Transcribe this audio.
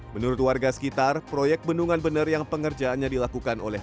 menurut warga sekitar proyek bendungan bener yang pengerjaannya dilakukan oleh